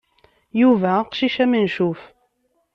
Yuba aqcic amencuf.